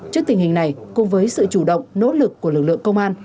trước tình hình này cùng với sự chủ động nỗ lực của lực lượng công an